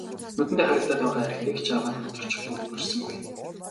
Нүдэндээ харагдаад байгаа архийг ч аваад хөнтөрчих дур хүрсэнгүй.